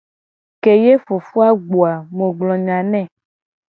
Ke ye fofo a gbo a mu gblo nya ne.